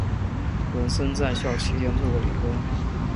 文森在校期间做过零工。